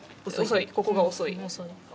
ここが遅い。